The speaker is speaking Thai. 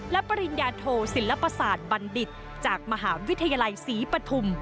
และปริญญาโทศิลปศาสตร์บัณฑิตจากมหาวิทยาลัยศรีปฐุม